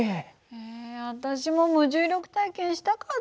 え私も無重力体験したかった！